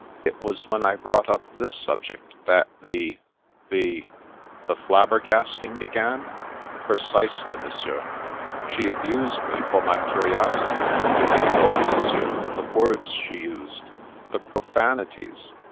It was when I brought up this subject that the — ^the "" The flabbergasting began ?"" Precisely, Monsieur. She abused me for my curiosity, and, oh, Monsieur, the words she used! The profanities